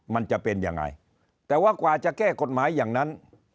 มันจะเป็นยังไงแต่ว่ากว่าจะแก้กฎหมายอย่างนั้น